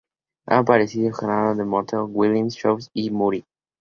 Ha aparecido en "Geraldo", "The Montel Williams Show", y "Maury".